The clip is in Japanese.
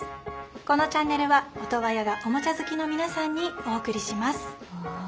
このチャンネルはオトワヤがおもちゃ好きの皆さんにお送りします。